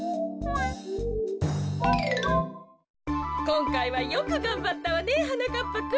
こんかいはよくがんばったわねはなかっぱくん。